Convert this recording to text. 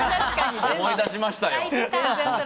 思い出しましたよ。